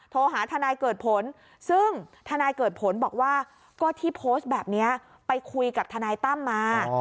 โทรหาทนายเกิดผลซึ่งทนายเกิดผลบอกว่าก็ที่โพสต์แบบนี้ไปคุยกับทนายตั้มมา